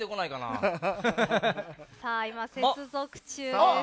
接続中です。